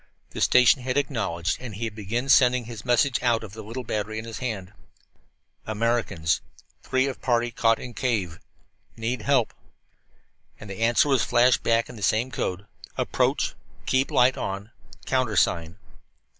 The station had acknowledged, and he began sending his message out of the little battery in his hand: "Americans. Three of party caught in cave in. Need help." And the answer was flashed back in the same code: "Approach. Keep light on. Countersign."